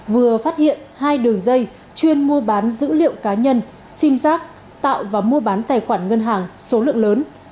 vừa phát hiện hai đường dây chuyên mua bán dữ liệu cá nhân sim giác tạo và mua bán tài khoản ngân hàng số lượng lớn